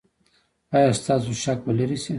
ایا ستاسو شک به لرې شي؟